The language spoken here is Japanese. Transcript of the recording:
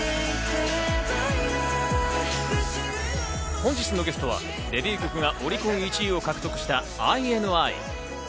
本日のゲストはデビュー曲がオリコン１位を獲得したＩＮＩ。